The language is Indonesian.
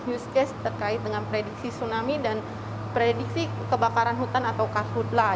use case terkait dengan prediksi tsunami dan prediksi kebakaran hutan atau karhutlah